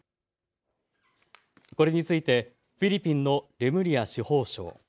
これについてフィリピンのレムリア司法相。